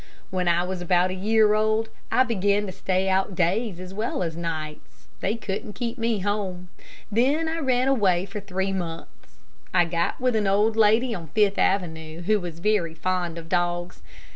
When I was about a year old, I began to stay out days as well as nights. They couldn't keep me home. Then I ran away for three months. I got with an old lady on Fifth Avenue, who was very fond of dogs.